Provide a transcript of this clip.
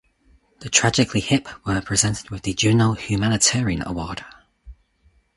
The Tragically Hip were presented with the Juno Humanitarian Award.